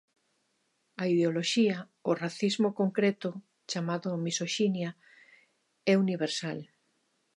A ideoloxía, o racismo concreto chamado misoxinia, é universal.